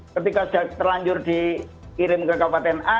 ketika sudah terlanjur dikirim ke kabupaten a